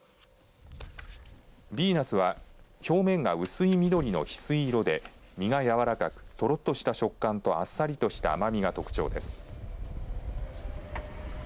美ナスは表面が薄い緑のひすい色で実が軟らかくとろっとした食感とあっさりとした甘みが特徴です。